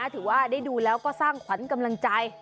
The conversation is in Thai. ถือว่าได้ดูแล้วก็สร้างขวัญกำลังใจ